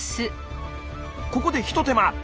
ここで一手間！